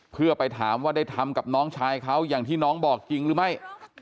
เพื่อไปถามว่าได้ทำกับน้องชายเขาอย่างที่น้องบอกจริงหรือไม่